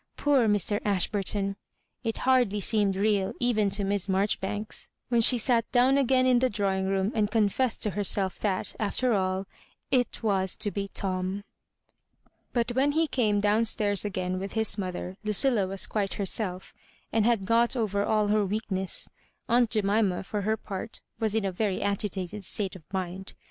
Poor Mr. Ash burton I It har^y seemed real even to Miss Maijoribanks when she sat down again in the drawing room, and confessed to herself that, after all, it was to be Tom. But when he came down stairs again with his mother, Ludlla was quite herself, and had got over all her weakness. Aunt Jemima, for her part, was in a very agitated state of mind.